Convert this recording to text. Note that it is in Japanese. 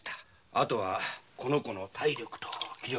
あとはこの子の体力と気力。